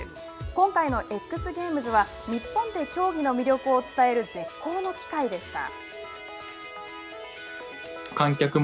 今回のＸゲームズは日本で競技の魅力を伝える絶好の機会でした。